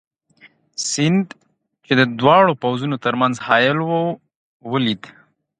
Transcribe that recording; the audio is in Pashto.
سیند، چې د دواړو پوځونو تر منځ حایل وو، ولید.